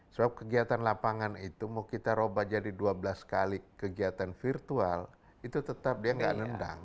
sebab kegiatan lapangan itu mau kita roba jadi dua belas kali kegiatan virtual itu tetap dia nggak nendang